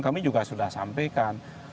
kami juga sudah sampaikan